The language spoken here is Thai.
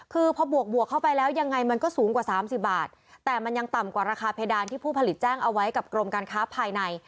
คือพอบวกเข้าไปแล้วยังไงมันก็สูงกว่า๓๐บาทแต่มันยังต่ำกว่าราคาเพดานที่ผู้ผลิตแจ้งเอาไว้กับกรมการค้าภายใน